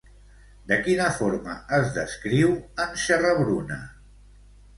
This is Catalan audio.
De quina forma es descriu en Serra-Bruna?